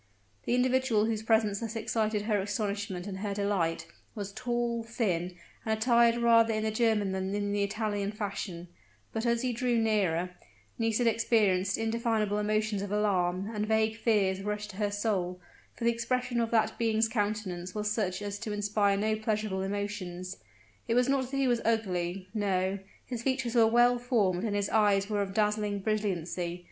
The individual whose presence thus excited her astonishment and her delight, was tall, thin, and attired rather in the German than in the Italian fashion: but, as he drew nearer, Nisida experienced indefinable emotions of alarm, and vague fears rushed to her soul for the expression of that being's countenance was such as to inspire no pleasurable emotions. It was not that he was ugly; no his features were well formed, and his eyes were of dazzling brilliancy.